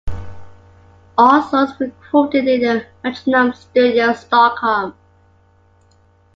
All songs were recorded in Metronome Studios, Stockholm.